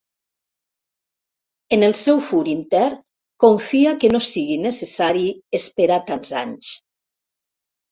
En el seu fur intern, confia que no sigui necessari esperar tants anys.